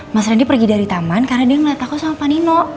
mas randy pergi dari taman karena dia ngeliat aku sama panino